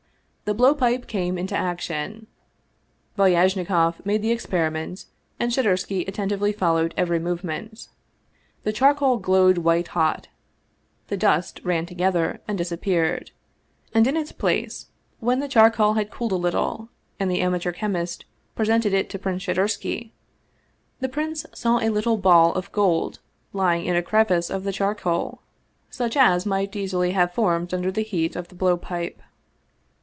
The blow pipe came into action. Valyajnikoff made the experiment, and Shadursky attentively followed every movement. The charcoal glowed white hot, the dust ran together and disappeared, and in its place, when the char coal had cooled a little, and the amateur chemist presented it to Prince Shadursky, the prince saw a little ball of gold lying in a crevice of the charcoal, such as might easily have formed under the heat of the blow pipe.